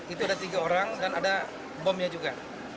itu ada tiga orang dan ada bomnya juga